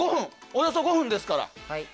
およそ５分ですから。